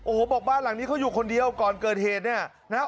โอ้โหบอกบ้านหลังนี้เขาอยู่คนเดียวก่อนเกิดเหตุเนี่ยนะครับ